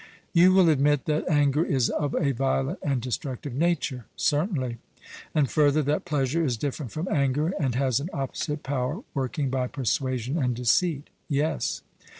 You will admit that anger is of a violent and destructive nature? 'Certainly.' And further, that pleasure is different from anger, and has an opposite power, working by persuasion and deceit? 'Yes.'